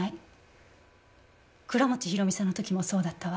倉持広美さんの時もそうだったわ。